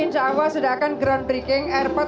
insya allah sudah akan groundbreaking airport